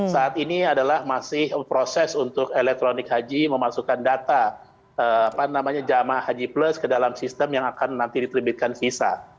saat ini adalah masih proses untuk elektronik haji memasukkan data jemaah haji plus ke dalam sistem yang akan nanti diterbitkan visa